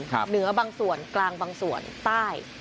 เหนือบางส่วนกลางบางส่วนใต้